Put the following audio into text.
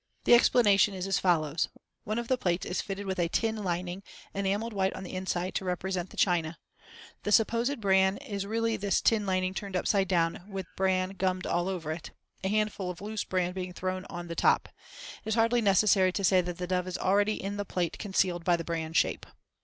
The explanation is as follows:—One of the plates is fitted with a tin lining, enameled white on the inside to represent the china (see Fig. 27). The supposed bran is really this tin lining turned upside down with bran gummed all over it; a handful of loose bran being thrown on the top. It is hardly necessary to say that the dove is already in the plate concealed by the bran shape.